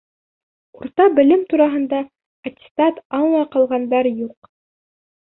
Урта белем тураһында аттестат алмай ҡалғандар юҡ.